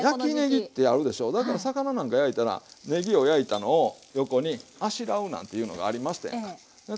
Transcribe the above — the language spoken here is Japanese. だから魚なんか焼いたらねぎを焼いたのを横にあしらうなんていうのがありましたやんか。